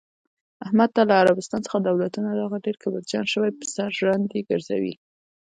احمد ته له عربستان څخه دولتونه راغلل، ډېر کبرجن شوی، په سر ژرندې ګرځوی.